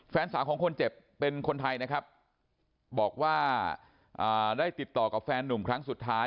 แฟนสาวของคนเจ็บเป็นคนไทยนะครับบอกว่าได้ติดต่อกับแฟนนุ่มครั้งสุดท้าย